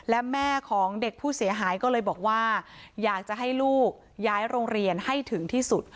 และแม่ของเด็กผู้เสียหายก็เลยบอกว่าอยากจะให้ลูกย้ายโรงเรียนให้ถึงที่สุด